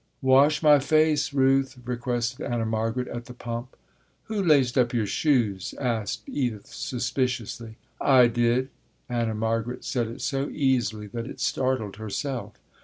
"Wash my face, Ruth," requested Anna Margaret at the pump. "Who laced up your shoes?" asked Edith suspiciously. "I did." Anna Margaret said it so easily that it startled herself.